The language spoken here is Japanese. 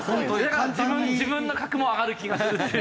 自分の格も上がる気がするっていう。